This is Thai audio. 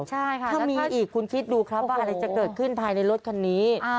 ถ้ามีอีกคุณคิดดูครับว่าอะไรจะเกิดขึ้นภายในรถคันนี้